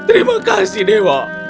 terima kasih dewa